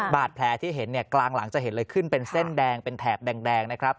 บาดแผลที่เห็นเนี่ยกลางหลังจะเห็นเลยขึ้นเป็นเส้นแดงเป็นแถบแดงนะครับ